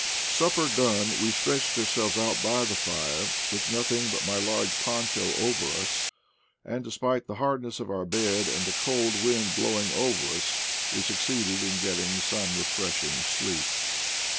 Supper done, we stretched ourselves out by the fire, with nothing but my large poncho over us, and despite the hardness of our bed and the cold wind blowing over us, we succeeded in getting some refreshing sleep.